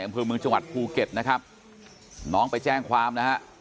อำเภอเมืองจังหวัดภูเก็ตนะครับน้องไปแจ้งความนะฮะ